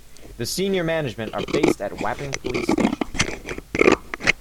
The senior management are based at Wapping police station.